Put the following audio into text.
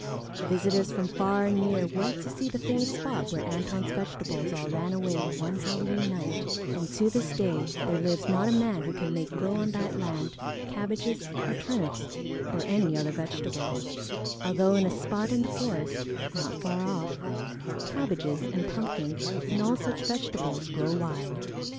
Visitors from far and near went to see the famous spot where Antone's vegetables all ran away one Halloween night; and to this day there lives not a man who can make grow on that land cabbages or turnips or any other vegetable, although in a spot in the forest, not far off, cabbages and pumpkins and all such vegetables grow wild.